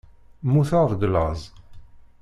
Mmuteɣ deg laẓ.